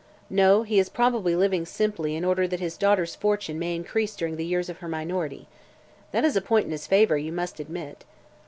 "No; he is probably living simply in order that his daughter's fortune may increase during the years of her minority. That is a point in his favor, you must admit."